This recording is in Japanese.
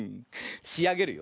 しあげるよ。